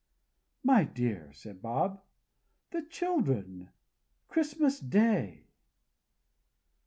"My dear," said Bob, "the children! Christmas day."